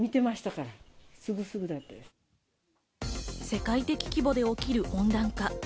世界的規模で起きる温暖化。